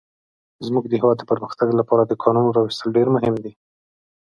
زموږ د هيواد د پرمختګ لپاره د کانونو راويستل ډير مهم دي.